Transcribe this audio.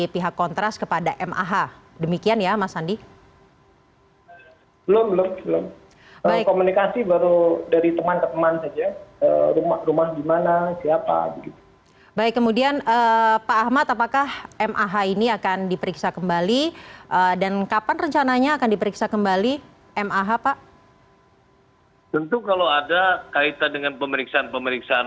berintas kepolisian yang sedang dipertanyakan oleh banyak pihak